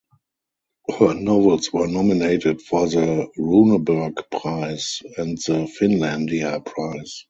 Her novels were nominated for the Runeberg Prize and the Finlandia Prize.